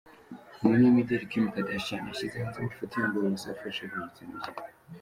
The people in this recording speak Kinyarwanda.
Umunyamideli Kim Kardashian yashyize hanze amafoto yambaye ubusa afashe ku gitsina cye .